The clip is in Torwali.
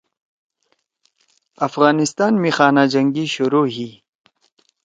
افغانستان می خانہ جنگی شروع ہی